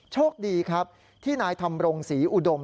โชคดีครับที่นายธรรมรงศรีอุดม